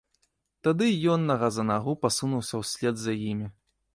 Тады й ён нага за нагу пасунуўся ўслед за імі.